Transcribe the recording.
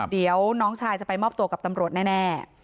เดี๋ยวน้องชายจะไปมอบตัวกับตำรวจแน่